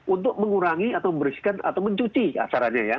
untuk mengurangi atau memberisikan atau mencuci asarannya ya